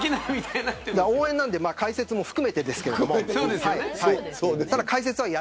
応援なので解説も含めてですけれど。